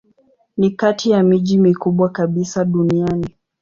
Ni kati ya miji mikubwa kabisa duniani.